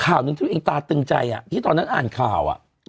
ข่าวหนึ่งที่ตัวเองตาตึงใจที่ตอนนั้นอ่านข่าว